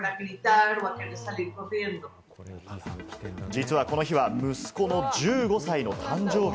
実はこの日は息子の１５歳の誕生日。